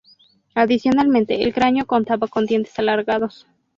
Adicionalmente, el cráneo contaba con dientes alargados.